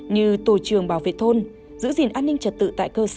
như tổ trường bảo vệ thôn giữ gìn an ninh trật tự tại cơ sở